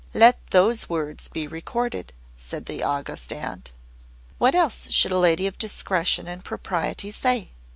"Let those words be recorded," said the August Aunt. "What else should any lady of discretion and propriety say?